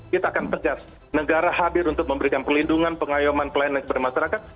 kita akan tegas negara hadir untuk memberikan perlindungan pengayuman pelayanan kepada masyarakat